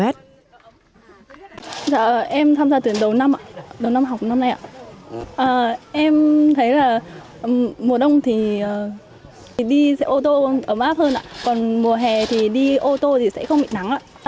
em thấy là mùa đông thì đi xe ô tô ấm áp hơn còn mùa hè thì đi ô tô thì sẽ không bị nắng